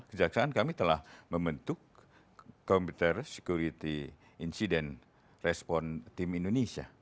kejaksaan kami telah membentuk computer security incident response team indonesia